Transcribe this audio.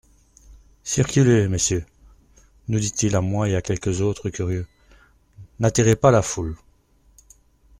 Circulez, Messieurs, nous dit-il à moi et à quelques autres curieux ; n'attirez pas la foule.